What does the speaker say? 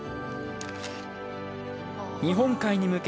日本海に向け